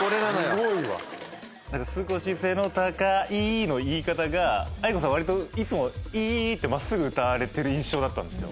すごいわ何か「少し背の高い」の言い方がａｉｋｏさんわりといつも「い」ってまっすぐ歌われてる印象だったんですよ